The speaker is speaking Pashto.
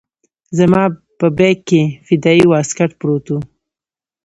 زما په بېګ کښې فدايي واسکټ پروت و.